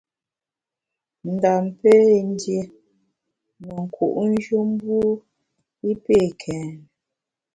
Ndam pé ndié ne nku’njù mbu i pé kèn.